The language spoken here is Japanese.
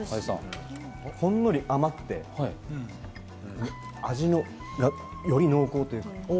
ほんのり甘くて、味がより濃厚というか。